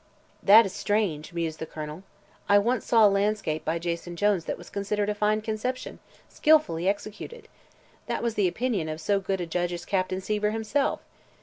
"That is strange," mused the Colonel. "I once saw a landscape by Jason Jones that was considered a fine conception, skillfully executed. That was the opinion of so good a judge as Captain Seaver himself.